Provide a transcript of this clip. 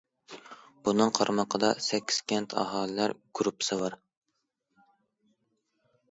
بۇنىڭ قارمىقىدا سەككىز كەنت ئاھالىلەر گۇرۇپپىسى بار.